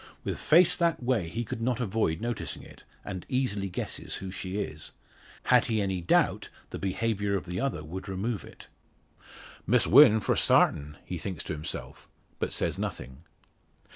With face that way he could not avoid noticing it, and easily guesses who she is. Had he any doubt the behaviour of the other would remove it. "Miss Wynn, for sartin," he thinks to himself, but says nothing.